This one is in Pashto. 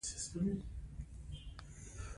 د هغې شهرت د مرګ وروسته زیات شو.